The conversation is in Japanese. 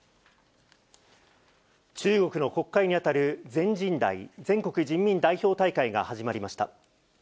中国の国会に当たる全人代・全国人民代表大会が始まりました。